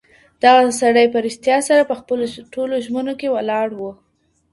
دغه سړی په رښتیا سره په خپلو ټولو ژمنو کي ولاړ و.